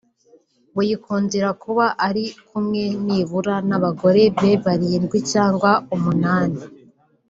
wikundira kuba ari kumwe nibura n’abagore be barindwi cyangwa umunani